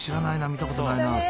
見たことないな。